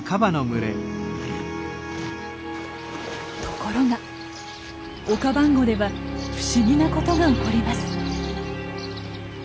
ところがオカバンゴでは不思議なことが起こります。